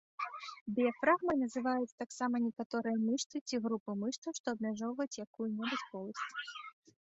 Дыяфрагмай называюць таксама некаторыя мышцы ці групы мышцаў, што абмяжоўваюць якую-небудзь поласць.